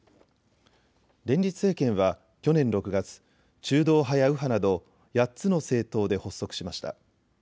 連立政権は去年６月中道派や右派など８つの政党で発足しました。